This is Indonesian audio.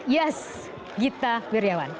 yes gita birjawan